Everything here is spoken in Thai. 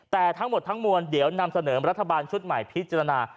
แต่ทั้งหมดทั้งมวลเดี๋ยวนำเสนอรัฐบาลชุดใหม่พิจารณา